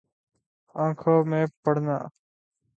آنکھوں میں پھرنا